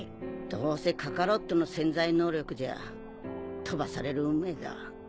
どうせカカロットの潜在能力じゃ飛ばされる運命だ。